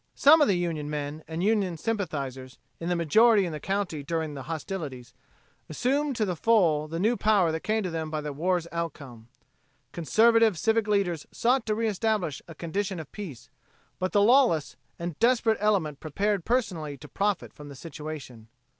Some of the Union men and Union sympathizers, in the majority in the county during hostilities, assumed to the full the new power that came to them by the war's outcome. Conservative civic leaders sought to reestablish a condition of peace, but the lawless and desperate element prepared personally to profit from the situation.